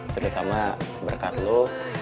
terutama berkat lo